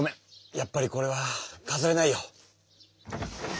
やっぱりこれはかざれないよ。